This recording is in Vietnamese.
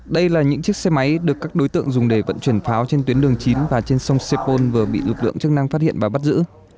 đây là những chiếc xe máy được các đối tượng dùng để vận chuyển pháo trên tuyến đường chín và trên sông sepol vừa bị lực lượng chức năng phát hiện và bắt giữ